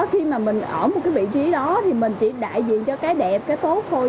khi mà mình ở một cái vị trí đó thì mình chỉ đại diện cho cái đẹp cái tốt thôi